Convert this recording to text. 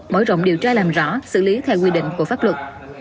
mở rộng điều tra làm rõ xử lý theo quy định của pháp luật